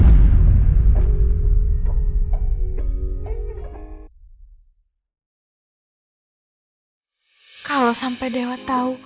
kalau sampai dewa tahu gue nikah sama mike pasti dia gak akan pernah maafin gue